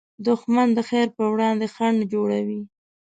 دښمن د خیر پر وړاندې خنډ جوړوي